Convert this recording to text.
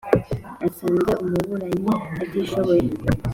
asanze umuburanyi atishoboye